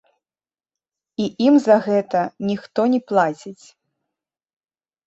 І ім за гэта ніхто не плаціць.